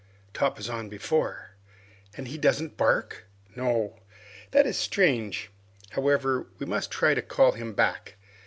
"Top is on before." "And he doesn't bark?" "No." "That is strange. However, we must try to call him back."